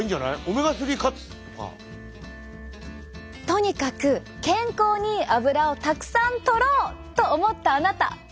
とにかく健康にいいアブラをたくさんとろうと思ったあなた！